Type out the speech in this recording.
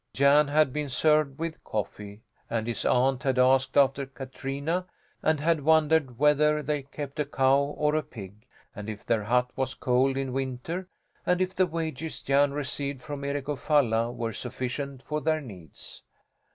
Jan had been served with coffee, and his aunt had asked after Katrina and had wondered whether they kept a cow or a pig, and if their hut was cold in winter and if the wages Jan received from Eric of Falla were sufficient for their needs.